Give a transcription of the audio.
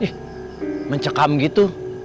ih mencekam gitu